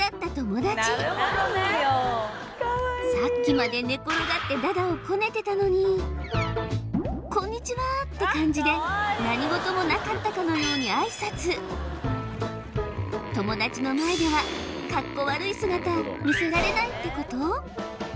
さっきまで寝転がってだだをこねてたのに「こんにちは」って感じで何事もなかったかのようにあいさつ友達の前ではカッコ悪い姿見せられないってこと？